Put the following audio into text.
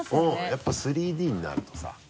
やっぱ３Ｄになるとさ。